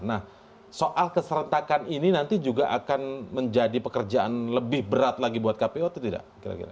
nah soal keserentakan ini nanti juga akan menjadi pekerjaan lebih berat lagi buat kpu atau tidak kira kira